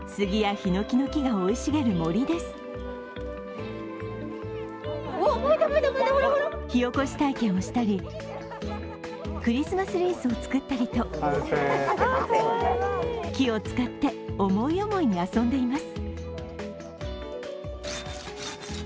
火おこし体験をしたり、クリスマスリースを作ったりと木を使って思い思いに遊んでいます。